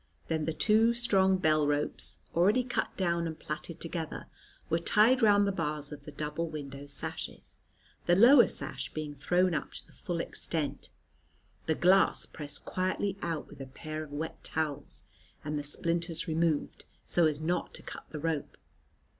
Then the two strong bell ropes, already cut down and plaited together, were tied round the bars of the double window sashes, the lower sash being thrown up to the full extent, the glass pressed quietly out with a pair of wet towels, and the splinters removed, so as not to cut the rope.